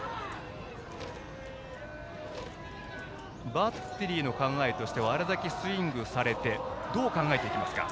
バッテリーの考えはあれだけスイングされてどう考えていきますか？